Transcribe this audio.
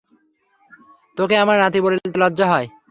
তোকে আমার নাতি বলতে লজ্জা হয়।